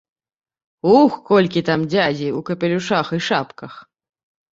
Ух, колькі там дзядзей у капелюшах і шапках!